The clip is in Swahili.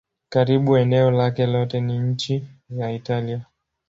Karibu eneo lake lote ni nchi ya Italia.